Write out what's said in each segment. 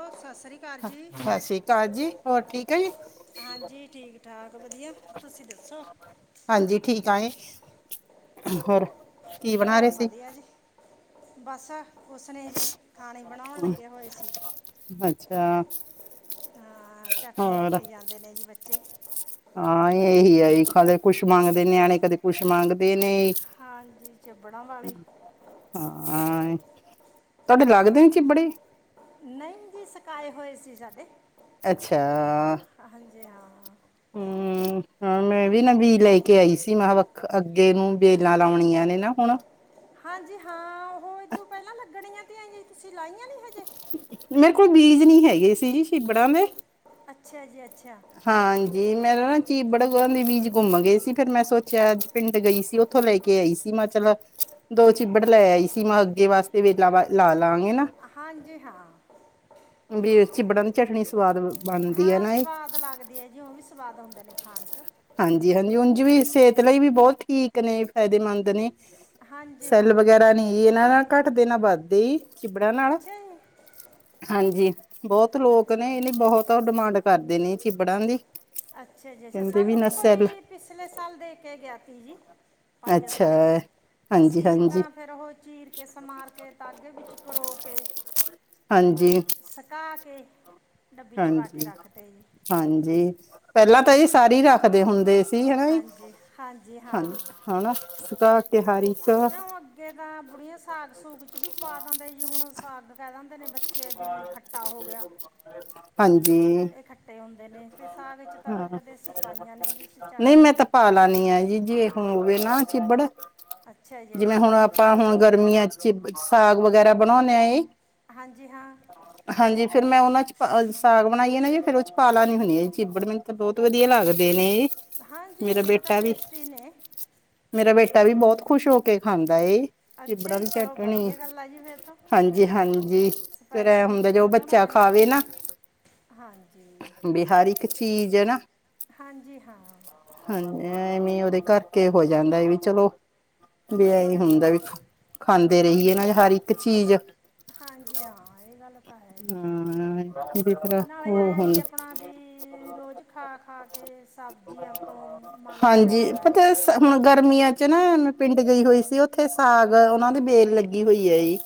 ਓ ਸਸ ਰੀ ਕਾਰ ਜੀ ਸਤਿ ਸ੍ਰੀ ਅਕਾਲ ਜੀ ਹੋਰ ਠੀਕ ਹੈ ਜੀ ਹਾਂਜੀ ਠੀਕ-ਠਾਕ ਵਦੀਆ। ਤੁਸੀ ਦੱਸੋ ਹਾਂਜੀ ਠੀਕ ਆਂ ਗੇ, ਹੋਰ ਕੀ ਬਣਾ ਹੋਰ ਰਹੇ ਸੀ ਵਦੀਆ ਜੀ, ਬਸ। ਕੁਛ ਨੀ ਜੀ, ਖਾਨੇ ਬਨੌਨ ਲੱਗੇ ਹੋਏ ਸੀ। ਅੱਛਾ ਹਾਂ ਚਟਨੀ ਹੋਰ ਕੁੱਟੀ ਜਾਂਦੇ ਨੇ ਜੀ ਬੱਚੇ। ਹਾਂ ਏਹੀ ਆ ਜੀ ਕਦੇ ਕੁੱਛ ਮੰਗਦੇ ਨੇ ਨਿਆਨੇ ਕਦੇ ਕੁੱਛ ਮੰਗਦੇ ਨੇ ਜੀ। ਹਾਂਜੀ, ਚੱਬੜਾਂ ਵਾਲੀ। ਹਾਂ ਤੁਹਾਡੇ ਲੱਗਦੇ ਨੇ ਚਿਬੱੜੇ? ਨਹੀਂ ਜੀ ਸੁਕਾਏ ਹੋਏ ਸੀ ਸਾਡੇ। ਅੱਛਾ ਹਾਂਜੀੇ ਹਾਂ। ਹੂੰ। ਹੂੰ ਹਾ ਮੈਂ ਵੀ ਨਵੀ ਲੈ ਕੇ ਆਈ ਸੀ ਮੈਂ ਵੱਖ ਅੱਗੇ ਨੂੰ ਵੇਲਾਂ ਲਾਉਣੀਆਂ ਨੇ ਨਾ ਹੁਣ। ਹਾਂਜੀ ਹਾਂ, ਉ ਹੋਈ ਤੋ ਪਹਿਲਾਂ ਲੱਗਣੀਆਂ ਤੇ ਅ ਤੁਸੀਂ ਲਾਈਆਂ ਨੀ ਹਜੇ। ਮੇਰੇ ਕੋਲ ਬੀਜ ਨੀ ਹੈਗੇ ਸੀ ਜੀ ਸ਼ਿਬੜਾਂ ਦੇ। ਅੱਛਾ ਜੀ ਅੱਛਾ। ਹਾਂਜੀ, ਮੈਂ ਨਾ ਚੀ ਬੜਗ ਦੇ ਬੀਜ ਘੁੰਮ ਗਏ ਸੀ ਫੇਰ ਮੈਂ ਸੋਚਿਆ ਅਜ- ਪਿੰਡ ਗਈ ਸੀ, ਉੱਥੋਂ ਲੈ ਕੇ ਆਈ ਸੀ ਮੈਂ ਕੇ ਚਲੋ। ਦੋ ਚਿੱਬੜ ਲੈ ਆਈ ਸੀ ਮੈਂ ਅੱਗੇ ਵਾਸਤੇ ਵੇਲਾ ਵ ਲਾ ਲਾਂਗੇ ਨਾ। ਹਾਂਜੀ ਹਾਂ। ਬੜੀ ਅੱਛੀ ਚਿਬੜਾਂ ਦੀ ਚਟਨੀ ਸਵਾਦ ਨੂੰ। ਹਾਂ ਸਵਾਦ ਲੱਗਦੀ ਹੈ ਜੀ, ਉਹ ਵੀ ਸਵਾਦ ਹੁੰਦੇ ਨੇ ਖਾਣ ਚ। ਹਾਂਜੀ- ਹਾਂਜੀ ਉਂਝ ਵੀ ਸਿਹਤ ਲਈ ਵੀ ਬਹੁਤ ਠੀਕ ਨੇ ਫਾਇਦੇ ਮੰਦ ਨੇ। ਹਾਂਜੀ ਸੈੱਲ ਹਾਂ ਵਗੈਰਾ ਨਹੀਂ ਇਹਨਾਂ ਨਾ ਘੱਟ ਦੇ ਨਾ ਵੱਧ ਦੇਈ। ਚਿਬੜਾਂ ਨਾਲ, ਅੱਛਾ ਜੀ ਹਾਂਜੀ ਬਹੁਤ ਲੋਕ ਨੇ ਇਹਨ ਬਹੁਤ ਆ ਡਿਮਾਂਡ। ਕਰਦੇ ਨੇ ਚਿਬੜਾਂ ਦੀ। ਅੱਛਾ ਜੀ, ਕਹਿੰਦੇ ਸਾਨੂੰ ਨਾ ਵੀ ਸੈੱਲ ਕੋਈ ਪਿਛਲੇ ਸਾਲ ਦੇ ਕੇ ਗਿਆ ਪੀ ਜੀ। ਪਾਈਆ ਅੱਛਾ ਸਾਰੇ ਹਾਂਜੀ ਅਸੀਂ ਹਾਂਜੀ ਤਾਂ ਫੇਰ ਉਹ ਚੀਰ ਕੇ ਸਮਾਰ ਕੇ ਤਾਗੇ ਵਿੱਚ ਪਰੋ ਕੇ ਹਾਂਜੀ। ਸੁਕਾ ਕੇ, ਡੱਬੀ ਚ ਪਾ ਕੇ ਹਾਂਜੀ- ਰੱਖਤੇ ਜੀ ਹਾਂਜੀ ਪਹਿਲਾਂ ਤਾਂ ਇਹ ਸਾਰੇ ਰੱਖਦੇ ਹੁੰਦੇ ਸੀ ਹੈਨਾ ਵੀ ਜ ਹਾਂਜੀ ਹਾਂ ਹਾਂਜੀ ਹਾਣਾ ਸੁਕਾ ਕੇ ਹਾਰੀ ਸੋ। ਅਗੇ ਤਾਂ ਬੁੜੀਆਂ ਸਾਗ- ਸੂਗ 'ਚ ਵੀ ਪਾ ਦਿੰਦੇ, ਜੀ ਹੁਣ ਸਾਗ- ਕਹਿ ਦਿੰਦੇ ਨੇ ਬੱਚੇ ਵੀ ਖੱਟਾ ਹੋ ਗਿਆ ਹਾਂਜੀ। ਇਹ ਖੱਟੇ ਹੁੰਦੇ ਨੇ ਤੇ ਸਾਗ ਚ ਤਾਂ ਫਿਰ ਹਾਂ, ਕਦੇ ਅਸੀਂ ਪਾਈਆਂ ਨੇ ਜੀ ਅਸੀਂ ਨਹੀਂ ਮੈਂ ਤਾਂ ਚਟਣੀ ਪਾ ਚ ਲਾਣੀ ਲਾਂਗੇ ਆ ਜੀ- ਜੀ। ਹੋਵੇ ਨਾ ਚਿੱਬੜ, ਅੱਛਾ ਜੀ ਜਿਵੇਂ ਅੱਛਾ ਹੁਣ ਆਪਾਂ ਹੁਣ ਗਰਮੀਆਂ ਚ ਚਿਬ ਸਾਗ ਵਗੈਰਾ ਬਣਾਉਂਦੇ ਹਾਂ ਏਹੀ। ਹਾਂਜੀ ਹਾਂ। ਹਾਂਜੀ ਫੇਰ ਮੈਂ ਉਹਨਾਂ ਚ ਸਾਗ ਬਣਾਈਏ ਨਾ ਜੇ ਫੇਰ ਉਹ ਚ ਪਾਲਾ ਨੀ ਹੁੰਦੀ ਆ ਜ ਚਿਬੜ ਮੈਨੂੰ। ਬਹੁਤ ਵਧੀਆ ਲੱਗਦੇ ਨੇ ਜੀ। ਹਾਂਜੀ ਮੇਰਾ ਹੁੰਦੇ ਤਾਂ ਬੇਟਾ ਵੀ- ਟੇਸਟੀ ਨੇ ਮੇਰਾ ਬੇਟਾ ਵੀ ਬਹੁਤ ਖੁਸ਼ ਹੋ ਕੇ ਖਾਂਦਾ ਏ। ਅੱਛਾ ਚਿਬੜਾ ਜੀ ਦੀ ਚਲੋ ਚੱਟਣੀ, ਵਧੀਆ ਗੱਲ ਆ ਜੀ ਫਿਰ ਤਾਂ ਹਾਂਜੀ- ਹਾਂਜੀ। ਜੀ ਫੇਰ ਇਹ ਸਪੈਸ਼ਲ ਨਹੀਂ ਹੁੰਦਾ ਕੁਝ ਜ ਉਹ ਬਣਾਉਣਾ ਬੱਚਾ ਪੈਂਦਾ ਖਾਵੇ ਨਾ। ਹਾਂਜੀ ਹਰ ਇੱਕ ਚੀਜ਼ ਹੈ ਨਾ। ਹਾਂਜੀ ਹਾਂ। ਹਾਂਜੀ ਐਵੇਂ ਉਹਦੇ ਕਰਕੇ ਹੋ ਜਾਂਦਾ ਵੀ ਚਲੋ। ਵਿ ਆਹੀ ਹਾਂਜੀ ਹੁੰਦਾ ਵੀ ਖਾਂਦੇ ਰਹੀਏ ਨਾ ਹਾਂਜੀ ਹਰ ਇੱਕ ਚੀਜ਼। ਹਾਂਜੀ ਹਾਂ ਇਹ ਗੱਲ ਤਾਂ ਹੈ ਜੀ, ਇਹਦੀ ਤਰ੍ਹਾਂ ਨਾਲ ਹੀ ਉਹ ਆਇਆ ਹੁਣ ਜੀ ਆ- ਆਪਣਾ ਵੀ ਰੋਜ਼ ਖਾ- ਖਾ ਕੇ ਸਬਜ਼ੀਆਂ ਤੋਂ ਮਣੱ ਅਕ ਜਾਂਦਾ। ਹੈ ਉਥੇ ਹੁਣ ਗਰਮੀਆਂ ਚ ਨਾ ਪਿੰਡ ਗਈ ਹੋਈ ਸੀ ਉੱਥੇ ਸਾਗ ਉਹਨਾ ਦੀ ਬੇਲ ਲੱਗੀ ਹੋਈ ਹੈ ਜੀ।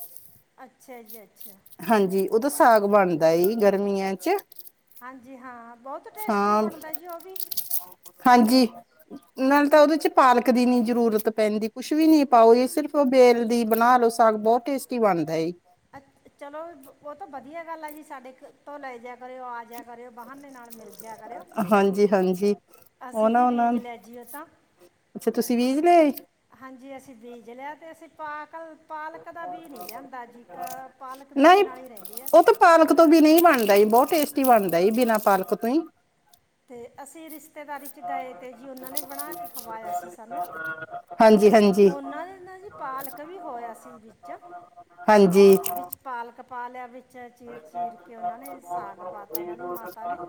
ਅੱਛਾ ਜੀ, ਅੱਛਾ ਹਾਂਜੀ, ਉਹ ਤਾਂ ਸਾਗ ਬਣਦਾ ਗਰਮੀਆਂ ਚ, ਹਾਂਜੀ ਹਾਂ, ਬਹੁਤ ਟੇਸਟੀ ਹਾਂ ਬਣਦਾ ਜੀ ਉਹ ਵੀ ਹਾਂਜੀ। ਨਾਲ ਤਾਂ ਉਹਦੇ ਚ ਪਾਲਕ ਦੀ ਨਈ ਜਰੂਰਤ ਪੈਂਦੀ, ਕੁਛ ਵੀ ਨੀ ਪਾਓ ਸਿਰਫ, ਉਹ ਬੇਲ ਦੀ ਬਣਾ ਲਓ ਤਾ ਬਹੁਤ ਟੇਸਟੀ, ਬਣਦਾ ਏੀ ਅ ਚਲੋ, ਉਹ ਤਾਂ ਬ ਵਧੀਆ ਗੱਲ ਆ ਜੀ, ਸਾਡੇ ਤੋਂ ਲੈ ਜਾਿਆ ਕਰਿਓ, ਆ ਜਾਇ ਕਰਿਓ, ਬਾਹਨੇ ਦੇ ਨਾਲ ਮਿਲ ਜਿਆ ਕਰਿਓ, ਹਾਂਜੀ ਹਾਂਜੀ ਉਹ ਅਸੀਂ ਨਾ ਵੀ ਉਹਨਾਂ ਬੀਜ ਨੇ ਲੈ ਜਾਈਏ ਤਾਂ ਅੱਛਾ, ਤੁਸੀਂ ਵੀਜ ਲਏ ਹਾਂਜੀ, ਅਸੀਂ ਬੀਜ ਲਿਆ ਤੇ, ਅਸੀਂ ਪਾਲ'ਕ ਪਾਲਕ ਦਾ ਬੀਜ ਨਹੀਂੀ ਲਿਆਂਦਾ ਜੀ, ਇੱਕ ਪਾਲਕ ਨਹੀਂ ਬੀਜਣ ਆਲੀ ਰਹਿ ਗਈ ਆ ਉਹ ਤਾਂ ਪਾਲਕ ਤੋਂ ਬਿਨਾ ਹੀ ਬਣਦਾ, ਬਹੁਤ ਟੇਸਟੀ ਬਣਦਾ ਬਿਨਾ ਪਾਲਕ ਤੋਂ ਹੀ ਅਤੇ ਅਸੀਂ ਰਿਸ ਰਿਸ਼ਤੇਦਾਰੀ ਚ ਗਏ ਤੇ ਜੀ, ਉਹਨਾਂ ਨੇ ਬਣਾ ਕੇ ਖਵਾਇਆ ਸੀ ਸਾਨੂੰ, ਹਾਂਜੀ ਹਾਂਜੀ ਫੋਨ ਨਾ ਦੇਣਾ ਜੀ ਪਾਲਕ ਵੀ, ਹੋਇਆ ਸੀ ਵਿੱਚ ਹਾਂਜੀ ਵਿੱਚ ਪਾਲਕ ਪਾ ਲਿਆ ਵਿੱਚ, ਚੀਰ -ਚੀਰ ਕੇ ਉਹਨਾਂ ਨੇ ਸਾਗ ਪਾਤਾ ਉਹਨਾਂ ਦੀ ਮਾਤਾ ਨੇ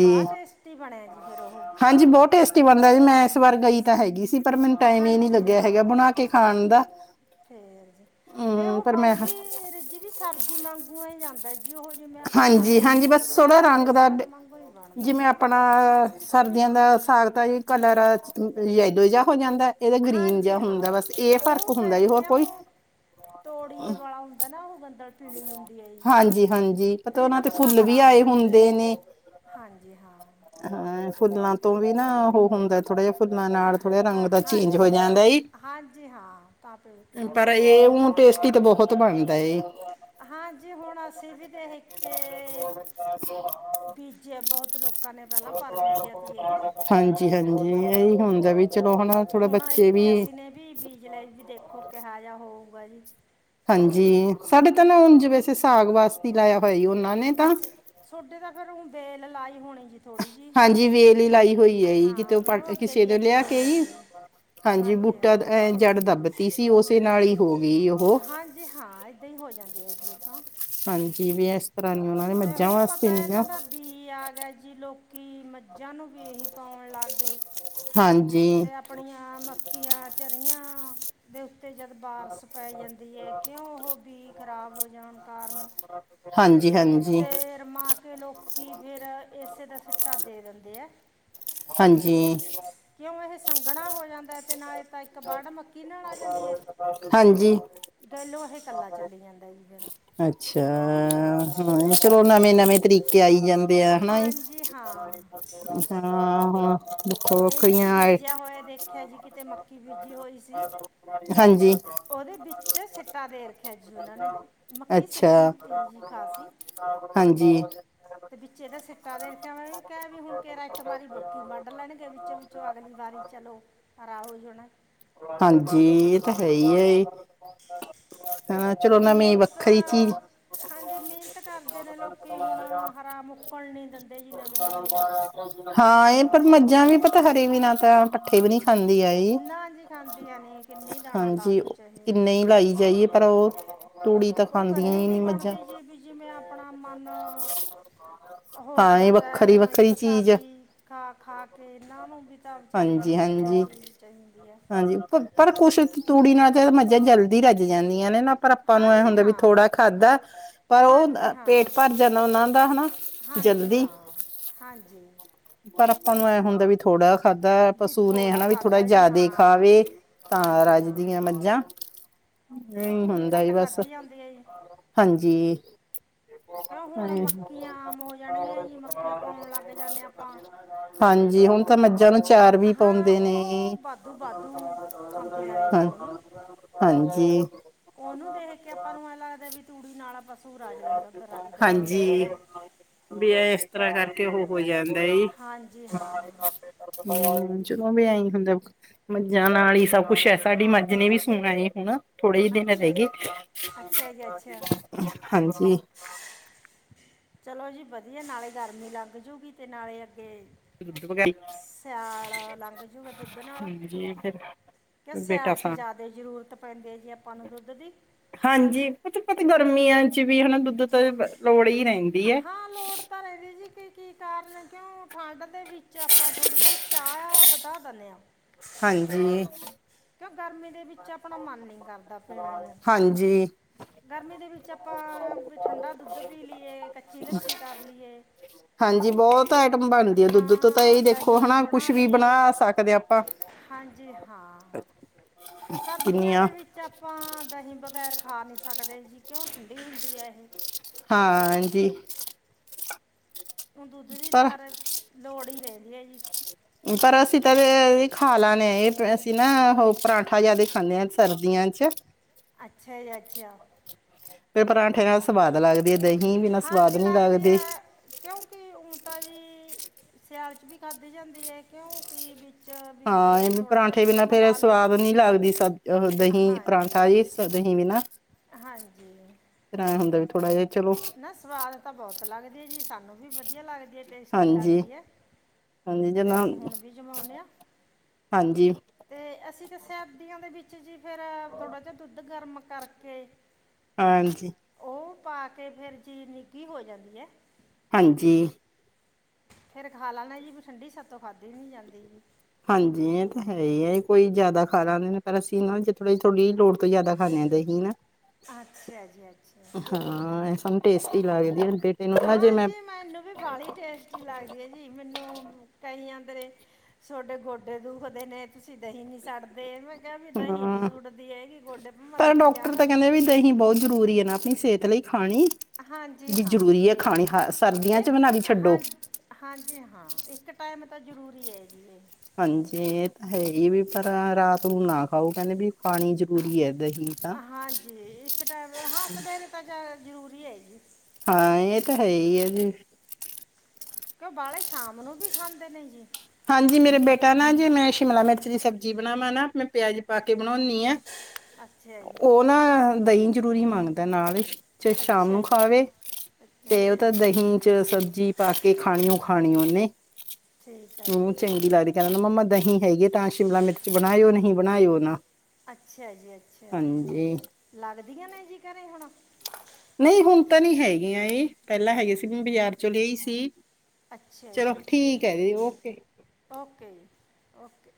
ਬੜਾ ਟੇਸਟੀ ਬਣਿਆ ਜੀ ਫਿਰ ਉਹ ਹਾਂਜੀ ਬਹੁਤ ਟੇਸਟ ਕੀ ਬਣਦਾ ਜੀ, ਮੈਂ ਇਸ ਵਾਰ ਗਈ ਤਾਂ ਹੈਗੀ ਸੀ। ਪਰ ਮੈਨੂੰ, ਟਾਈਮ ਇਹ ਨਈ ਹਾਂਜੀ ਲੱਗਿਆ ਹੈਗਾ, ਹਾਂ ਬਣਾ ਕੇ ਖਾਣ ਦਾ ਫੇਰ -ਫੇਰ ਹਮ ਉਹ ਪਰ ਮੈਂ ਬਣਦੀ ਰਜੀ ਵੀ ਸਬਜ਼ੀ ਵਾਗੂ ਹੀ ਜਾਂਦਾ ਦਜੀ ਉਹ ਜਿ ਮੈਂ ਹਾਂਜੀ ਆਪਣਾ, ਹਾਂਜੀ ਬਸ ਸਿਆਲ ਵਾਲੇ ਸਾਗ ਵਾਂਗੂ ਹੀ ਬਣਦਾ ਏ ਭਲਾ ਸਰਦੀਆਂ ਦਾ ਸਾਗ ਦਾ, ਕਲਰ ਦੂਜਾ ਹੋ ਜਾਂਦਾ ਇਹਦਾ ਗਰੀਨ ਹਾਂਜੀ ਜਿਹਾ ਹਾਂ ਹੁੰਦਾ, ਬਸ ਇਹ ਫ਼ਰਕ ਉਹ ਹੁੰਦਾ ਫਿਰ ਜੀ ਹੋਰ ਕੋਈ ਕਿਉਂ ਤੋੜੀਏ ਵਾਲਾ ਹੁੰਦਾ ਨਾ, ਉਹ ਗੰਦਲ ਪੀਲੀ ਹੁੰਦੀ ਹੈ ਜੀ ਹਾਂਜੀ -ਹਾਂਜੀ ਪਤਾ ਉਹਨਾਂ ਇਹਦਾ ਤੇ ਪੱਤਾ, ਫੁੱਲ ਵੀ ਹਰਾ ਆਏ ਹੁੰਦਾ ਜੀ ਹੁੰਦੇ ਨੇ ਹਾਂਜੀ ਹਾਂ। ਹਾਂ ਫੁੱਲਾਂ ਤੋਂ, ਨਈ ਨਾ ਉਹ ਹੁੰਦਾ ਥੋੜਾ ਜਿਹਾ ਫੁੱਲਾਂ ਨਾਲ ਥੋੜ੍ਹੇ ਰੰਗ ਹਾਂ ਦਾ ਚੇਂਜ ਹੋ ਹਾਂਜੀ ਹਾਂ ਜਾਂਦਾ, ਈ ਹਾਂਜੀ ਹਾਂ ਤਾਂ ਪੇ ਕਿਤੇ ਪਰ ਹੋ ਜਾਂਦਾ ਇਹ ਹੁ ਟੇਸਟੀ ਤੇ, ਬਹੁਤ ਬਣਦਾ ਏ ਹਾਂਜੀ, ਹੁਣ ਅਸੀਂ ਵੀ ਤੇ ਇਹ ਕਿ ਬੀਜਿਆ ਬਹੁਤ ਲੋਕਾਂ ਨੇ, ਪਹਿਲਾਂ ਪਰ ਬੀਜਿਆ ਤ ਇਹ ਗਰਮੀ ਚ ਨਈ ਹੁੰਦਾ, ਵੀ ਚਲੋ ਹਾ ਥੋੜਾ ਬੱਚੇ ਵੀ ਦੇ ਵੀ ਬੀਜ ਜੁਲਾਈ ਚ ਵੀ ਦੇਖੋ, ਕਿਹੋ ਜਿਹਾ ਹੋਊਗਾ ਜੀ ਹਾਂਜੀ, ਸਾਡੇ ਤਾਂ ਨਾ ਹੁਣ ਜ ਵੈਸੇ, ਸਾਗ ਵਾਸਤੇ ਲਾਇਆ ਹੋਇਆ, ਉਹਨਾਂ ਨੇ ਤਾਂ ਸੋਡੇ ਤਾਂ ਫ਼ਿਰ ਹੁਣ, ਬੇਲ ਲਾਈ ਹੋਣੀ ਜ ਹਾਂਜੀ, ਵੇਲ ਹੀ ਲਾਈ ਹੋਈ ਹੈ ਜੀ, ਹਾਂ ਕਿਤੇੋਂ ਫਿਰ ਉਹ ਅੱਗੇ ਕਿਸੇ ਦੀ ਨੂੰ ਅੱਗੇ ਹੋ ਲਿਆ ਕੇ ਹੀ ਜਾਂਦੀ ਹੈ ਹਾਂਜੀ, ਬੂਟਾ ਅ ਜੜ ਦੱਬਤੀ ਸੀ, ਉਸੇ ਨਾਲ ਹੀ ਹੋ ਗਈ ਉਹ ਹਾਂਜੀ ਹਾਂ, ਇੱਦਾਂ ਹੀ ਹੋ ਜਾਂਦੀ ਹੈ ਜੀ ਇਹ ਤਾਂ ਹਾਂਜੀ, ਵੀ ਇਸ ਤਰ੍ਹਾਂ ਨ ਉਹਨਾ ਤੇ ਹੁਣ ਪਤਾ, ਇਹਨਾਂ ਦਾ ਬੀਜ ਕੀ ਆ ਗਏ ਜੀ, ਲੋਕੀ ਮੱਝਾਂ ਨੂੰ ਬੀਜ ਪਾਉਣ ਲੱਗ ਗਏ ਹਾਂਜੀ ਤੇ ਆਪਣੀਆਂ, ਮੱਕੀਆਂ ਚਰੀਆਂ ਦੇ ਉੱਤੇ ਜਦ ਬਾਰਸ਼ ਪੈ ਜਾਂਦੀ ਏ ਕਿਉਂ ਉਹ ਬੀ ਖਰਾਬ ਹੋ ਜਾਣ ਕਾਰਨ ਹਾਂਜੀ-ਹਾਂਜੀ। ਤੇ ਰਮਾ ਕੇ ਲੋਕੀ ਫਿਰ ਏਸੇ ਦਾ ਛਿੱਟਾ ਦੇ ਦਿੰਦੇ ਆ। ਹਾਂਜੀ ਕਿਉਂ ਇਹ ਸੰਘਣਾ ਹੋ ਜਾਂਦਾ ਤੇ ਨਾ ਤਾਂ ਇੱਕ ਵਾਢ ਮੱਕੀ ਨਾਲ ਆ ਜਾਂਦੀ ਐ। ਹਾਂਜੀ ਦਹਿਲੋ ਇਹ ਇਕੱਲਾ ਚੱਲੀ ਜਾਂਦਾ ਸੀ ਜਿਹੜਾ। ਅੱਛਾ ਚਲੋ ਨਵੇਂ-ਨਵੇਂ ਤਰੀਕੇ ਆਈ ਜਾਣ। ਪਿਆ ਹਣਾ, ਹਾਂਜੀ ਹਾਂ ਹਾਂ-ਹਾਂ। ਇਹ ਵੀ ਵੱਖੋ-ਵੱਖਰੀਆਂ ਅਸੀਂ ਆਏ- ਬੀਜਿਆ ਹੋਇਆ ਦੇਖਿਆ ਜੀ ਕਿਤੇ ਮੱਕੀ ਬੀਜੀ ਹੋਈ ਸੀ ਹਾਂਜੀ ਉਹਦੇ ਵਿੱਚ ਸਿੱਟਾ ਦੇਰ ਰੱਖਿਆ ਜੀ ਉਹਨਾਂ ਨੇ, ਮੱਕੀ ਅੱਛਾ ਸਿੱਧੀ ਧੀਜ਼ ਖਾ ਸੀ। ਹਾਂਜੀ ਤੇ ਵਿੱਚੇ ਇਹਦੇ ਸਿੱਟਾ ਦੇ ਰੱਖਿਆ ਵੀ ਕਹਿ ਵੀ ਹੁਣ ਕੇਰਾ ਇੱਕ ਵਾਰੀ ਮੱਕੀ ਵੱਢ ਲੈਣਗੇ। ਵਿੱਚੋਂ-ਵਿੱਚੋਂ ਅਗਲੀ ਵਾਰੀ ਚਲੋ, ਹਰਾ ਹੋ ਜਾਣਾ। ਹਾਂਜੀ ਇਹ ਤਾਂ ਹੈ ਈ ਐ। ਹਾਂ ਚਲੋ ਹੁਣ ਮੈਂ ਮੇ ਵੱਖਰੀ ਚੀਜ਼ ਮਿਹਨਤ ਹਾਂਜੀ ਮਿਹਨਤ ਕਰਦੇ ਨੇ ਲੋਕੀ ਹੁਣ ਹਰਾ ਮੁੱਕਣ ਨਹੀਂ ਦਿੰਦੇ ਜੀ ਨਵੇਂ ਨਵੇਂ ਹਾਂ ਬੀਜ ਇਹ ਪਰ ਆਉਂਦੇ ਆ ਮੱਝਾਂ ਵੀ ਤਾਂ ਤਾਂ ਹਰੇ ਵਿਨਾ ਤਾਂ ਪੱਠੇ ਵੀ ਨਹੀਂ ਖਾਂਦੀਆ ਇਹ। ਨਾ ਜੀ ਖਾਂਦੀਆਂ ਨੇ ਕਿੰਨੀ [unintelligible] ਦਾਣਾ ਲਾ ਹਾਂਜੀ ਦੋ ਚਾਹੇ ਕਿੰਨੇ ਹੀ ਲਾਈ ਜਾਈਏ ਪਰ ਉਹ ਤੂੜੀ ਤਾਂ ਉਹ ਖਾਂਦੀਆਂ ਗੱਲ ਹੀ ਨਹੀਂ ਨੀ ਮੱਝਾਂ ਬਣਦੀ ਜੀ ਵੀ ਜਿਵੇਂ ਆਪਣਾ ਮਨ ਉਹੋ ਹੋ ਹਾਂ ਇਹ ਜਾਂਦਾ ਹੈ ਵੱਖਰੀ ਹੁਣ ਇੱਕ ਵੱਖਰੀ ਚੀਜ਼ ਸਬਜ਼ੀ, ਖਾ-ਖਾ ਕੇ ਇਹਨਾਂ ਨੂੰ ਵੀ ਤਾਂ ਵਿਚਾਰੀਆਂ ਨੂੰ ਹਾਂਜੀ ਵੱਖਰੀ ਹਾਂਜੀ ਚੀਜ਼ ਚਾਹੀਦੀ ਐ। ਹਾਂਜੀ ਪਰ ਕੁਛ ਤੂੜੀ ਨਾਲ ਤੇ ਮੱਝਾਂ ਜਲਦੀ ਰੱਜ ਜਾਂਦੀਆਂ ਨੇ ਨਾ। ਪਰ ਆਪਾਂ ਨੂੰ ਆਏ ਹਾਂਜੀ ਹੁੰਦੇ ਵੀ ਹਾਂ ਥੋੜ੍ਹਾ ਖਾਧਾ, ਪਰ ਉਹ ਹਾਂਜੀ ਪੇਟ ਹਾਂ ਭਰ ਜਾਂਦਾ ਉਹਨਾਂ ਦਾ ਹਨਾ। ਹਾਂਜੀ ਜਲਦੀ ਹਾਂ, ਹਾਂਜੀ। ਪਰ ਆਪਾਂ ਨੂੰ ਐਂ ਹੁੰਦਾ ਵੀ ਥੋੜ੍ਹਾ ਖਾਧਾ ਵੀ ਪਸੂ ਨੇ ਥੋੜ੍ਹਾ ਹਨਾ ਵੀ ਥੋੜਾ ਖਾਧਾ ਜੀ ਹਾਂ ਜਿਆਦਾ ਖਾਵੇ, ਤਾਂ ਹਾਂਜੀ ਹਾਂ ਰੱਜਦੀਆਂ ਮੱਝਾਂ। ਕਿ ਨਹੀਂ ਤੂੜੀ ਹੁੰਦਾ ਘੱਟ ਬਸ, ਖਾਧੀ ਜਾਂਦੀ ਹੈ ਜੀ ਹਾਂਜੀ। ਕਿਉਂ ਹੁਣ ਹਾਂਜੀ [unintelligible] ਮੱਕੀਆਂ ਆਮ ਹੋ ਜਾਣਗੀਆਂ ਜੀ ਮੱਕੀਆਂ ਪਾਉਣ ਲੱਗ ਜਾਂਦੇ ਆਪਾਂ ਹਾਂਜੀ ਹੁਣ ਤਾਂ ਮੱਝਾਂ ਨੂੰ ਚਾਰ ਵੀ ਹਾਂ ਪਾਉਂਦੇ ਨੇ। ਉਹ ਬਾਦੂ ਬਾਦੂ ਖਾਂਦੀਆਂ ਨੇ ਹਾਂ ਜੀ ਉਹਨੂੰ ਹਾਂਜੀ ਉਹਨੂੰ ਦੇਖ ਕੇ ਆਪਾਂ ਨੂੰ ਐ ਲੱਗਦਾ ਵੀ ਤੂੜੀ ਨਾਲ ਆ ਪਸੂ ਰਜ ਦਿੰਦਾ ਪਰ ਰੱਜਦਾ ਹੀ ਨੀ ਹਾਂਜੀ ਹੈਗਾ। ਵੀ ਇਹ ਇਸ ਤਰ੍ਹਾਂ ਕਰਕੇ ਉਹ ਹੋ ਜਾਂਦਾ ਈ। ਹਾਂਜੀ ਹਾਂ ਜਦੋਂ ਵੀ ਆਈ ਹੁੰਦਾ [unintelligible] ਮੱਝਾਂ ਨਾਲ ਹੀ ਸਭ ਕੁੱਛ ਹੈ ਸਾਡੀ ਮੱਝ ਨੇ ਵੀ ਸੂਣਾ ਏ ਹੁਣ। ਥੋੜੇ ਹੀ ਦਿਨ ਅੱਛਾ ਰਹਿ ਗਏ। ਅੱਛਾ ਜੀ ਅੱਛਾ ਹਾਂਜੀ ਚਲੋ ਜੀ ਵਧੀਆ ਨਾਲੇ ਗਰਮੀ ਲੱਗ ਜੂਗੀ ਤੇ ਨਾਲੇ ਅੱਗੇ ਸਿਆਲ ਲੰਘ ਜੂਗਾ ਦੁੱਧ ਨਾਲ [unintelligible] ਕਿ ਬੇਟਾ ਸਿਆਲ'ਚ ਸਾਂ ਜ਼ਿਆਦੇ ਜ਼ਰੂਰਤ ਪੈਂਦੀ ਹੈ ਜੀ ਆਪਾਂ ਨੂੰ ਦੁੱਧ ਦੀ। ਹਾਂਜੀ ਪਤਾ ਪਤਾ ਗਰਮੀਆਂ ਚ ਵੀ ਹਨਾ ਦੁੱਧ ਤਾਂ ਲੋੜ ਹੀ ਰਹਿੰਦੀ ਹੈ ਹਾਂ ਲੋੜ ਤਾਂ ਰਹਿੰਦੀ ਜੀ। ਕੀ ਕੀ ਕਾਰਨ ਕਿਉਂ ਠੰਡ ਦੇ ਵਿੱਚ ਆਪਾਂ ਥੋੜ੍ਹੀ ਜਿਹੀ ਚਾਹ ਵਧਾ ਦਿੰਨੇ ਆ। ਹਾਂਜੀ। ਕਿਉਂ ਗਰਮੀ ਦੇ ਵਿੱਚ ਆਪਣਾ ਮਨ ਨੀ ਕਰਦਾ ਪੀਣੇ ਨੂੰ। ਹਾਂਜੀ ਗਰਮੀ ਦੇ ਵਿੱਚ ਆਪਾਂ ਵੀ ਠੰਡਾ ਦੁੱਧ ਪੀ ਲਈਏ, ਕੱਚੀ ਲੱਸੀ ਕਰ ਲਈਏ ਹਾਂਜੀ ਬਹੁਤ ਆਈਟਮ ਬਣਦੀ ਹੈ ਦੁੱਧ ਤੋਂ ਤਾਂ, ਇਹੀ ਹਾਂ ਦੇਖੋ ਦਹੀਂ ਹੈਨਾ ਕੁਛ ਬਣਾ ਵੀ ਲਈਏ ਬਣਾ ਸਕਦੇ ਹਾਂ ਆਪਾਂ। ਹਾਂਜੀ ਹਾਂ। ਤੇ ਸਰਦੀਆਂ ਕਿੰਨੀਆਂ ਦੇ ਵਿੱਚ ਆਪਾਂ ਦਹੀਂ ਬਗੈਰ ਖਾ ਨਹੀਂ ਸਕਦੇ ਜੀ। ਕਿਉਂ ਠੰਡੀ ਹੁੰਦੀ ਹੈ ਏਹ। ਹਾਂ ਜੀ। ਦੁੱਧ ਦੀ ਪਰ ਤਾ ਹਰ, ਲੋੜ ਹੀ ਰਹਿੰਦੀ ਹੈ ਜੀ। ਪਰ ਅਸੀਂ ਤਾਂ ਵੇ ਏਹੀ ਖਾ ਲਾਦੇ ਹਾਂ। ਇਹ ਅਸੀਂ ਨਾ ਉਹ ਪਰਾਂਠਾ ਜਿਆਦਾ ਖਾਂਦੇ ਹਾਂ ਸਰਦੀਆਂ ਚ। ਅੱਛਾ ਜੀ ਅੱਛਾ। ਫਿਰ ਪਰਾਂਠੇ ਨਾਲ ਸਵਾਦ ਲੱਗਦੀਆ ਦਹੀਂ, ਬਿਨਾਂ ਸਵਾਦ ਹਾਂਜੀ ਨਹੀਂ ਲੱਗਦੀ। ਹੈ ਕਿਉਂਕਿ ਉਣ ਤਾਂ ਜੀ ਸਿਆਲ 'ਚ ਵੀ ਖਾਧੀ ਜਾਂਦੀ ਹੈ। ਕਿਉਂਕਿ ਵਿੱਚ ਵੀ ਹਾਂ ਇਹ ਜੇ ਵੇ ਥੋੜ੍ਹਾ ਜਿਹਾ ਪਰਾਂਠੇ ਦੁੱਧ ਬਿਨਾ ਫੇਰ ਮਿਲਾ ਲਏ ਸਵਾਦ ਨੀ ਲੱਗਦੀ ਸ-ਦਹੀਂ ਹਾਂਜੀ ਪਰਾਂਠਾ ਵੀ ਦਹੀ ਵੀ ਨਾ। ਹਾਂਜੀ। ਫੇਰ ਆ ਹੁੰਦਾ ਥੋੜਾ ਜਿਹਾ ਚਲੋ ਨਾ ਸਵਾਦ ਤਾਂ ਬਹੁਤ ਲੱਗਦੇ ਜੀ। ਸਾਨੂੰ ਵੀ ਵਧੀਆ ਲੱਗਦੀ ਹੈ। ਟੇਸਟੀ ਹਾਂਜੀ ਲੱਗਦੀ ਹੈ। ਹਾਂਜੀ ਤੇ ਜਿੰਨਾ ਅਸੀਂ ਹੁਣ ਵੀ ਜਮਾਉਦੇ ਹਾਂ। ਹਾਂਜੀ ਤੇ ਅਸੀਂ ਤਾਂ ਸਰਦੀਆਂ ਦੇ ਵਿੱਚ ਜੀ ਫੇਰ ਥੋੜ੍ਹਾ ਜਿਹਾ ਦੁੱਧ ਗਰਮ ਕਰਕੇ ਹਾਂਜੀ। ਉਹ ਪਾ ਕੇ ਫੇਰ ਜੀ ਨਿੱਘੀ ਹੋ ਜਾਂਦੀ ਹੈ। ਹਾਂਜੀ। ਫੇਰ ਖਾ ਲੈਣਾ ਜੀ ਵੀ। ਠੰਢ ਸਾਥੋਂ ਖਾਧੀ ਨੀ ਜਾਂਦੀ ਜੀ। ਹਾਂਜੀ ਇਹ ਤਾਂ ਹੈ ਹੀ ਹੈ। ਕੋਈ ਜ਼ਿਆਦਾ ਖਾ ਲੈਂਦੇ ਨੇ, ਪਰ ਅਸੀਂ ਨਾ ਜੀ ਥੋੜ੍ਹੀ ਥੋੜ੍ਹੀ ਲੋੜ ਤੋਂ ਜ਼ਿਆਦਾ ਖਾਦੇਂ ਆ ਦਹੀ ਨਾ। ਅੱਛਾ ਜੀ ਅੱਛਾ। ਹਾਂ ਇਹ ਸਾਨੂੰ ਟੈਸਟੀ ਲਗਦੀ ਹੈ ਨਾ ਨੂੰ ਜੇ ਹਾਂ ਮੈਂ ਜੀ ਮੈਨੂੰ ਵੀ ਬੜੀ ਟੇਸਟੀ ਲੱਗਦੀ ਹੈ ਜੀ। ਜੀ ਮੈਨੂੰ ਕਈਆਂਦੇ ਤੁਹਾਡੇ ਗੋਡੇ ਦੁਖਦੇ ਨੇ। ਤੁਸੀਂ ਦਹੀਂ ਨੀ ਸੁੱਟਦੇ ਮੈਂ ਕਿਹਾ ਵੀ ਦਹੀਂ ਨੀ ਹਾਂ ਸੁੱਟਦੀ ਇਹਗੀ ਗੋਡੇ ਭਾ ਪਰ ਦੁਖੀ ਡਾਕਟਰ ਜਾਣਾ। ਤਾਂ ਕਹਿੰਦੇ ਵੀ ਤਾਂ ਦਹੀ ਬਹੁਤ ਜ਼ਰੂਰੀ ਹੈ ਨਾ। ਆਪਣੀ ਸਿਹਤ ਲਈ ਖਾਣੀ ਹਾਂਜੀ ਵੀ ਹਾਂ ਜ਼ਰੂਰੀ ਹੈ ਖਾਣੀ। ਹ ਸਰਦੀਆਂ ਚ ਇੱਕ ਬ-ਨਾ ਵੀ ਛੱਡੋ। ਹਾਂ ਹਾਂਜੀ ਹਾਂ। ਇੱਕ ਟਾਈਮ ਤਾਂ ਜ਼ਰੂਰੀ ਹੈ ਜੀ ਇਹ। ਹਾਂਜੀ ਇਹ ਤਾਂ ਹੈ ਹੀ ਵੀ ਪਰ ਰਾਤ ਨੂੰ ਨਾ ਖਾਓ। ਕਹਿੰਦੇ ਵੀ ਖਾਣੀ ਜ਼ਰੂਰੀ ਹੈ ਇ ਏ ਦਹੀ। ਹਾਂਜੀ ਇੱਕ ਟ-ਹਾ ਫੇਰ ਤਾਂ ਜ-ਜ਼ਰੂਰੀ ਹੈ ਜੀ। ਹਾਂ ਇਹ ਤਾਂ ਹੈ ਹੀ ਹੈ ਫੇਰ। ਕਿਉ ਬਾਲੇ ਸ਼ਾਮ ਨੂੰ ਵੀ ਖਾਂਦੇ ਨੇ ਜੀ। ਹਾਂਜੀ ਮੇਰੇ ਬੇਟਾ ਨਾ ਜੇ ਮੈਂ ਸ਼ਿਮਲਾ ਮਿਰਚ ਦੀ ਸਬਜ਼ੀ ਬਣਾਵਾਂ ਨਾ, ਮੈਂ ਪਿਆਜ ਪਾ ਕੇ ਬਣਾਉਦੀ ਆ। ਅੱਛਾ ਜੀ। ਨਾਲ ਦਹੀਂ ਜਰੂਰੀ ਮੰਗਦਾ ਨਾਲ। ਚੇ ਸ਼ਾਮ ਨੂੰ ਅੱਛਾ ਜੀ ਖਾਵੇ ਅੱਛਾ ਤੇ ਉਹ ਤਾਂ ਅੱਛਾ ਜੀ ਦਹੀਂ ਚ ਸਬਜ਼ੀ ਪਾ ਕੇ ਖਾਣੀ ਓ ਖਾਣੀ ਉਹਨੇ ਠੀਕ ਹੈ ਜੀ ਮੈਨੂੰ ਠੀਕ ਚੰਗੀ ਹੈ ਲੱਗਦੀ। ਕਹਿੰਦਾ ਮੰਮਾ ਦਹੀਂ ਹੈਗੀ, ਤਾਂ ਸ਼ਿਮਲਾ ਮਿਰਚ ਬਣਾਇਓ ਨਹੀਂ ਬਣਾਇਓ ਨਾ। ਅੱਛਾ ਜੀ ਅੱਛਾ ਹਾਂਜੀ ਲੱਗਦੀਆਂ ਨੇ ਜੀ ਘਰੇ ਹੁਣ? ਨਹੀਂ ਹੁਣ ਤਾਂ ਨਹੀਂ ਹੈਗੀਆਂ ਇਹ। ਪਹਿਲਾਂ ਹੈਗੀਆਂ ਸੀ। ਮੈਂ ਬਾਜ਼ਾਰ ਚੋਂ ਲਿਆਈ ਸੀ। ਅੱਛਾ ਚਲੋ ਜੀ ਠੀਕ ਅੱਛਾ ਹੈ ਜੀ, ਓ ਓਕੇ ਜੀ, ਓਕੇ।